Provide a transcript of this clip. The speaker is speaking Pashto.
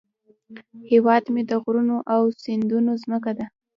هیواد مې د غرونو او سیندونو زمکه ده